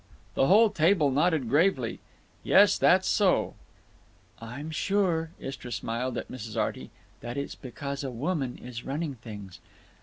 The whole table nodded gravely, "Yes, that's so." "I'm sure"—Istra smiled at Mrs. Arty—"that it's because a woman is running things.